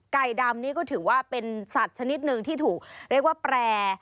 ไก่ดำนี่ก็ถือว่าเป็นสัตว์ชนิดหนึ่งที่ถูกเรียกว่าแปร